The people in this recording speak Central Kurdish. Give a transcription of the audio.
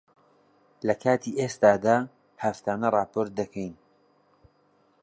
لەکاتی ئێستادا، هەفتانە ڕاپۆرت دەکەین.